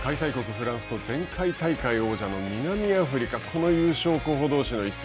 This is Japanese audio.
フランスと前回大会王者の南アフリカ、この優勝候補どうしの一戦。